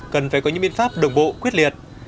cần phải có những biện pháp đồng bộ quyết liệt